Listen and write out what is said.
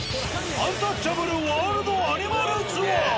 アンタッチャブルワールドアニマルツアー。